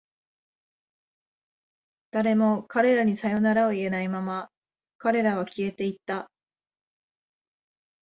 誰も彼らにさよならを言えないまま、彼らは消えていった。